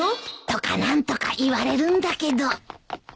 とかなんとか言われるんだけど